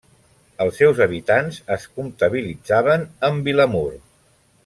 Els seus habitants es comptabilitzaven amb Vilamur.